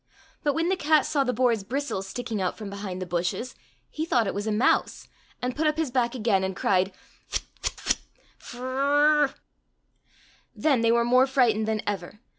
But when the cat saw the boar's bristles sticking out from behind the bushes he thought it was a mouse, and put up his back again and cried, " Ft ! f t ! f t ! Frrrrrrr !" Then they were more frightened than ever.